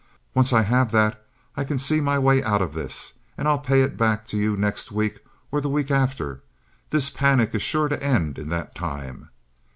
Once I have that I can see my way out of this, and I'll pay it all back to you next week or the week after—this panic is sure to end in that time.